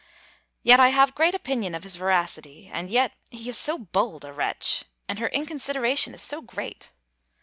Yet I have great opinion of his veracity: and yet he is so bold a wretch! And her inconsideration is so great!